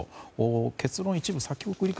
結論を一部先送りか。